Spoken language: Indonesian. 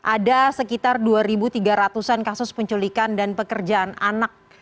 ada sekitar dua tiga ratus an kasus penculikan dan pekerjaan anak